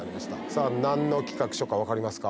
さぁ何の企画書か分かりますか？